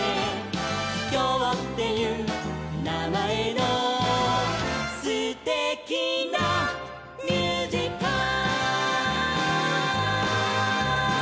「きょうっていうなまえのすてきなミュージカル」